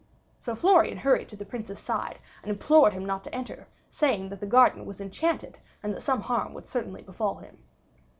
So Florian hurried to the Prince's side, and implored him not to enter, saying that the garden was enchanted and that some harm would certainly befall him.